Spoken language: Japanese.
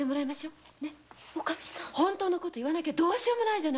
本当の事を言わなきゃどうしようもないわ。